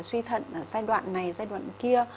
suy thận ở giai đoạn này giai đoạn kia